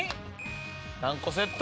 何個セット？